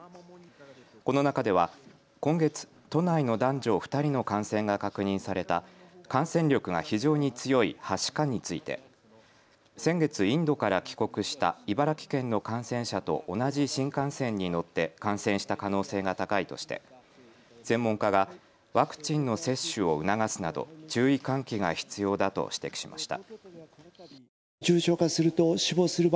この中では今月、都内の男女２人の感染が確認された感染力が非常に強いはしかについて先月、インドから帰国した茨城県の感染者と同じ新幹線に乗って感染した可能性が高いとして専門家がワクチンの接種を促すなど注意喚起が必要だと指摘しました。